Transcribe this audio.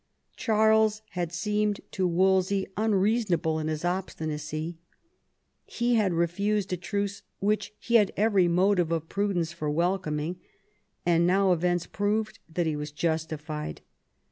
Charles had seemed to Wolsey unreasonable in his obstinacy. He had refused a truce which he had every motive of prudence for welcoming ; and now events proved that he was justified.